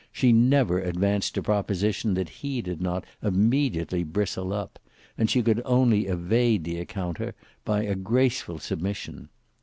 She never advanced a proposition that he did not immediately bristle up, and she could only evade the encounter by a graceful submission.